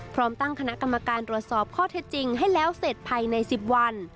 พร้อมตั้งคณะกรรมการตรวจสอบข้อเท็จจริงให้แล้วเสร็จภายใน๑๐วัน